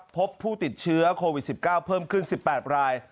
พบผู้ติดเชื้อโควิด๑๙เพิ่มขึ้น๑๘ราย